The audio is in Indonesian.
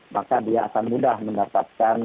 maka dia akan mudah mendapatkan